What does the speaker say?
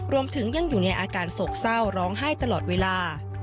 รวมถึงยังอยู่ในอาการโศกเศร้าร้องไห้ตลอดเวลา